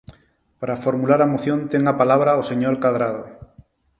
Para formular a moción ten a palabra o señor Cadrado.